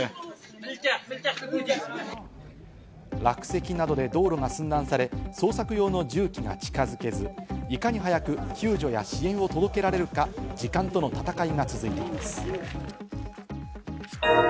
落石などで道路が寸断され、捜索用の重機が近づけず、いかに早く救助や支援を届けられるか時間との戦いが続いています。